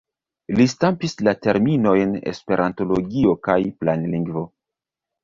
Li stampis la terminojn esperantologio kaj planlingvo.